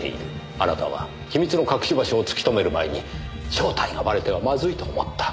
あなたは秘密の隠し場所を突き止める前に正体がばれてはまずいと思った。